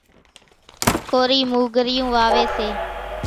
ڪورِي موُگھريئون واويَ سي۔